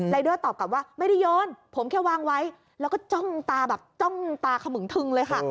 เดอร์ตอบกลับว่าไม่ได้โยนผมแค่วางไว้แล้วก็จ้องตาแบบจ้องตาขมึงทึงเลยค่ะ